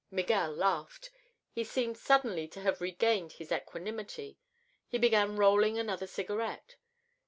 Miguel laughed. He seemed suddenly to have regained his equanimity. He began rolling another cigarette.